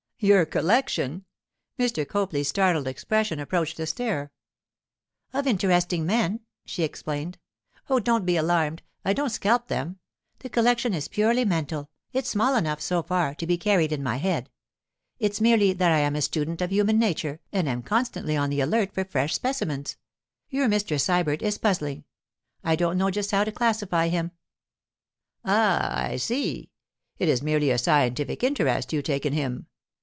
'Your collection?' Mr. Copley's startled expression approached a stare. 'Of interesting men,' she explained. 'Oh, don't be alarmed; I don't scalp them. The collection is purely mental—it's small enough, so far, to be carried in my head. It's merely that I am a student of human nature and am constantly on the alert for fresh specimens. Your Mr. Sybert is puzzling; I don't know just how to classify him.' 'Ah, I see! It is merely a scientific interest you take in him.